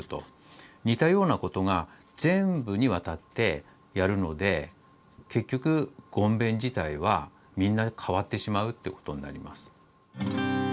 似たようなことが全部にわたってやるので結局言偏自体はみんな変わってしまうってことになります。